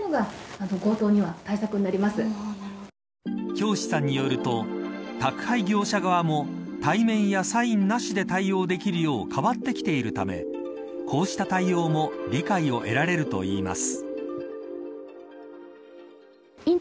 京師さんによると宅配業者側も対面や、サインなしで対応できるよう変わってきているためこうした対応も理解を得られるといいます。